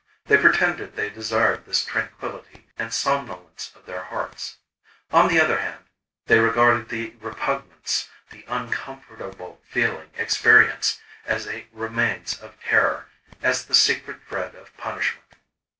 They pretended they desired this tranquillity, and somnolence of their hearts. On the other hand, they regarded the repugnance, the uncomfortable feeling experienced as a remains of terror, as the secret dread of punishment.